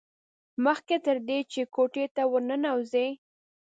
مخکې تر دې چې کوټې ته ور ننوځي.